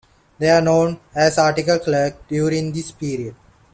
They are known as Articled clerks during this period.